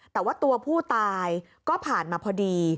แต่ว่าตัวผู้ตายก็ผ่านมาพอดี